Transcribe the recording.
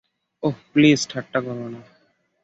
ওহ, please ঠাট্টা করো না।